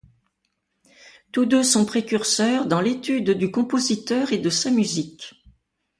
Tous deux sont précurseurs dans l'étude du compositeur et de sa musique.